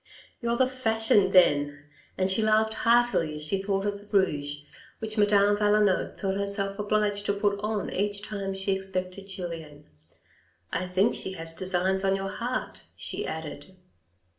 " You're the fashion then," and she laughed heartily as she thought of the rouge which Madame Valenod thought herself obliged to put on each time she expected Julien. " I think she has designs on your heart," she added.